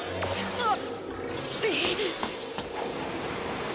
あっ！